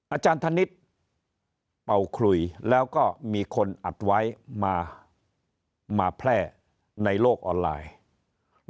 อาจารย์ธนิษฐ์เป่าคลุยแล้วก็มีคนอัดไว้มาแพร่ในโลกออนไลน์